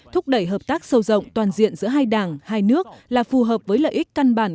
thúc đẩy hợp tác sâu rộng toàn diện giữa hai đảng hai nước là phù hợp với lợi ích căn bản